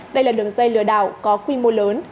đây là đường dây lừa đảo có quy mô lớn